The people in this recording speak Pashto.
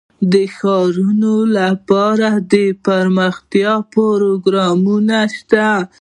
د ښارونو لپاره دپرمختیا پروګرامونه شته دي.